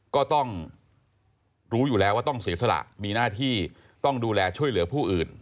ก็ต้องรู้อยู่แล้วว่าต้องเสียสละมีหน้าที่ต้องดูแลช่วยเหลือผู้อื่น